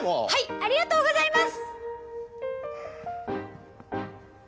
ありがとうございます！